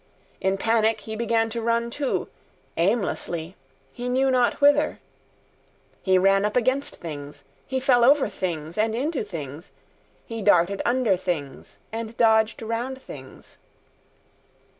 In panic, he began to run too, aimlessly, he knew not whither. He ran up against things, he fell over things and into things, he darted under things and dodged round things.